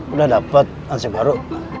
udah dapet hansif baru